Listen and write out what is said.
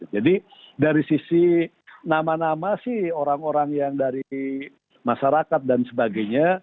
jadi dari sisi nama nama sih orang orang yang dari masyarakat dan sebagainya